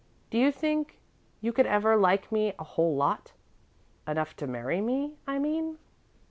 Do you think you could ever like me a whole lot? Enough to marry me, I mean?"